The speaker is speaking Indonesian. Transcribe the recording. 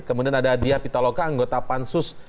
kemudian ada dia pitaloka anggota pansus